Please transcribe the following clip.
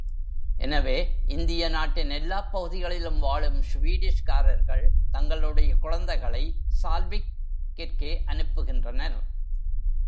எனவே, இந்திய நாட்டின் எல்லாப் பகுதிகளிலும் வாழும் ஸ்வீடிஷ்காரர்கள், தங்களுடைய குழந்தைகளை சால்விக் கிற்கே அனுப்புகின்றனர்.